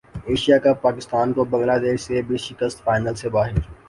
Asia cup Pakistan کو Bangladesh سے بھی شکست فائنل سے باہر